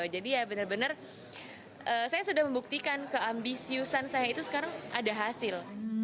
jadi ya bener bener saya sudah membuktikan keambisiusan saya itu sekarang ada hasil